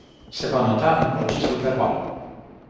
Se va nota în procesul verbal.